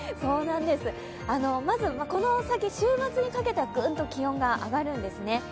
まず、この先、週末にかけてグンと気温が上がるんですね。